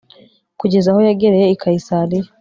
kugeza aho yagereye i kayisariya